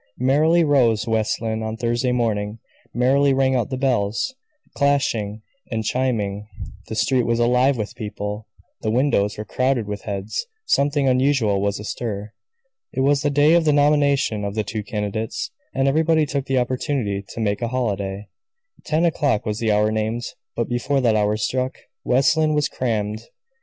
Merrily rose West Lynne on Thursday morning; merrily rang out the bells, clashing and chiming. The street was alive with people; the windows were crowded with heads; something unusual was astir. It was the day of the nomination of the two candidates, and everybody took the opportunity to make a holiday. Ten o'clock was the hour named; but, before that hour struck, West Lynne was crammed.